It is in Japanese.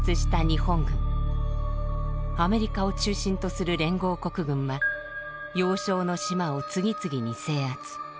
アメリカを中心とする連合国軍は要衝の島を次々に制圧。